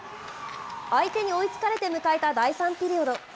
相手に追いつかれて迎えた第３ピリオド。